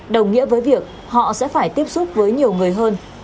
đồng nghĩa với việc họ sẽ phải tiếp xúc với nhiều người hơn